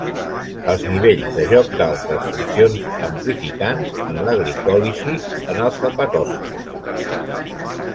Els nivells de joc d'altres funcions amplificants en la glicòlisi en els hepatòcits.